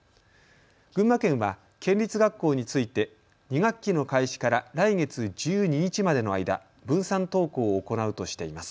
群馬県は県立学校について２学期の開始から来月１２日までの間、分散登校を行うとしています。